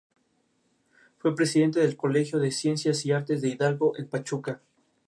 Se han hecho esfuerzos significativos para el desarrollo de cada uno de ellos.